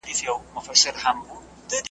ما یاغي قلم ته د عقاب شهپر اخیستی دی .